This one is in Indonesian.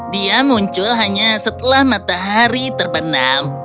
dia muncul hanya setelah matahari terbenam